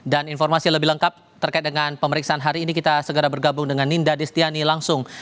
dan informasi lebih lengkap terkait dengan pemeriksaan hari ini kita segera bergabung dengan ninda destiani langsung